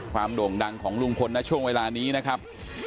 โด่งดังของลุงพลนะช่วงเวลานี้นะครับ